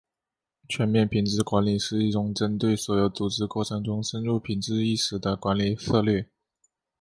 全面品质管理是一种针对所有组织过程中深入品质意识的管理策略。